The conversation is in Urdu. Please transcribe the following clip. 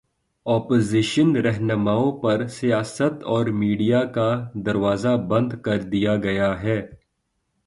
اپوزیشن راہنماؤں پر سیاست اور میڈیا کا دروازہ بند کر دیا گیا ہے۔